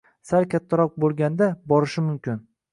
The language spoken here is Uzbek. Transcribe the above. Sal kattaroq bo‘lganda, borishi mumkin.